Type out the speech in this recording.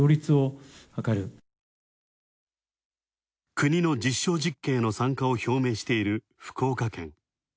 国の実証実験への参加を表明している福岡県。